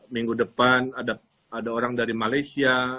minggu depan ada orang dari malaysia